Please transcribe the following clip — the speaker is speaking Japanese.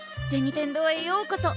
天堂へようこそ。